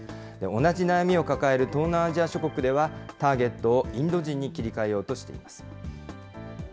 同じ悩みを抱える東南アジア諸国では、ターゲットをインド人に切り替えようとしています。